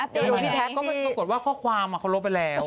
เดี๋ยวดูพี่แพ็คก็เป็นโอกาสว่าข้อความเขารบไปแล้ว